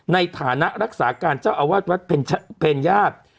ในฐานะรักษาการเจ้าอาวาสวัดเป็นญาติ